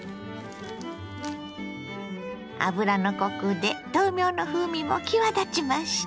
油のコクで豆苗の風味も際立ちました。